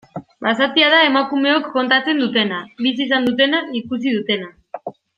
Basatia da emakumeok kontatzen dutena, bizi izan dutena, ikusi dutena.